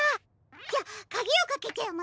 じゃあかぎをかけちゃいますね。